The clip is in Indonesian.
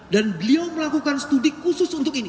dan beliau melakukan studi khusus untuk ini